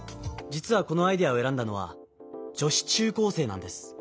実はこのアイデアをえらんだのは女子中高生なんです。